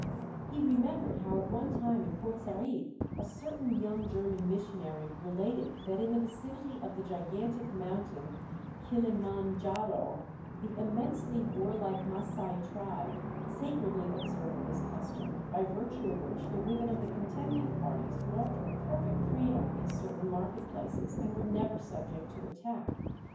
He remembered how at one time in Port Said a certain young German missionary related that in the vicinity of the gigantic mountain, Kilima Njaro, the immensely warlike Massai tribe sacredly observed this custom, by virtue of which the women of the contending parties walked with perfect freedom in certain market places and were never subject to attack.